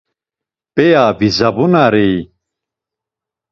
P̌eya vizabuneri?